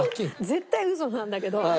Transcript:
絶対ウソなんだけど。